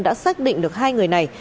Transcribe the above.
đã xác định được hai người này